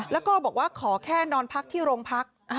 แล้วก็บอกว่าขอแค่นอนพักที่โรงพัก